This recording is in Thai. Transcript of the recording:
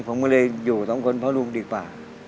ผมก็เลยอยู่สองคนพ่อลูกดีกว่า